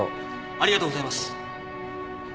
ありがとうございます。